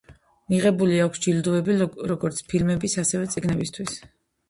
მიღებული აქვს ჯილდოები როგორც ფილმების, ასევე წიგნებისთვის.